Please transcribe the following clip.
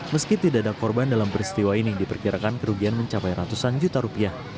meski tidak ada korban dalam peristiwa ini diperkirakan kerugian mencapai ratusan juta rupiah